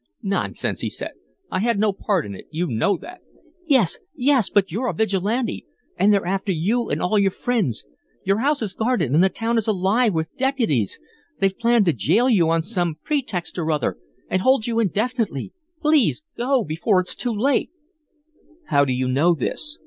"Nonsense," he said. "I had no part in it. You know that." "Yes, yes but you're a Vigilante, and they're after you and all your friends. Your house is guarded and the town is alive with deputies. They've planned to jail you on some pretext or other and hold you indefinitely. Please go before it's too late." "How do you know this?"